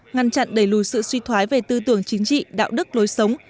ngăn chặn đẩy lùi sự suy thoái về tư tưởng chính trị đạo đức lối sống